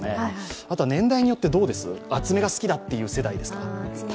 年代によってどうです、熱めが好きだっていう世代ですか。